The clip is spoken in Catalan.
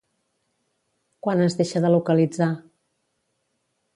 Quan es deixa de localitzar?